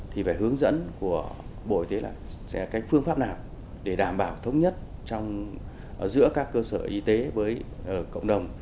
thì phải hướng dẫn của bộ y tế là cái phương pháp nào để đảm bảo thống nhất giữa các cơ sở y tế với cộng đồng